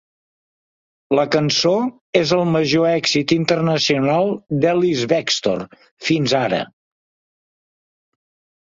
La cançó és el major èxit internacional d'Ellis-Bextor fins ara..